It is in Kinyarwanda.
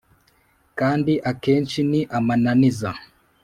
Kandi akenshi ni amananiza.